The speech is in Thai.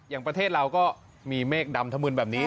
อย่างประเทศเราก็มีเมฆดำถมืนแบบนี้